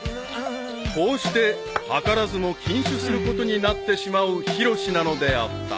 ［こうして図らずも禁酒することになってしまうヒロシなのであった］